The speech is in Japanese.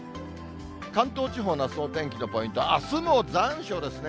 関東地方のあすのお天気のポイント、あすも残暑ですね。